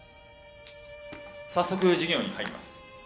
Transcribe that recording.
早速授業に入ります。